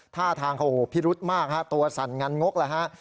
ท่าทางเขาพิรุธมากฮะตัวสั่นงันงกแล้วฮะ